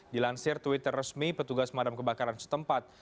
dilansir twitter resmi petugas pemadam kebakaran setempat